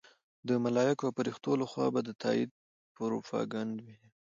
د ملایکو او فرښتو لخوا به د تایید پروپاګند وي.